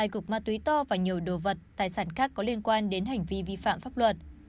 hai cục ma túy to và nhiều đồ vật tài sản khác có liên quan đến hành vi vi phạm pháp luật